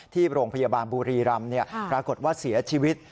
ที่โรงพยาบาลบุรีรำปรากฏว่าเสียชีวิต